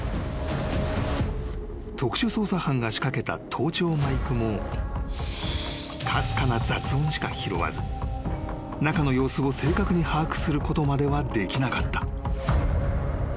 ［特殊捜査班が仕掛けた盗聴マイクもかすかな雑音しか拾わず中の様子を正確に把握することまではできなかった］